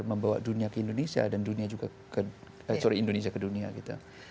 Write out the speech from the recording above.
membawa dunia ke indonesia dan dunia juga sorry indonesia ke dunia gitu